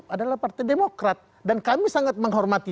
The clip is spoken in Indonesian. adalah partai demokrat dan kami sangat menghormati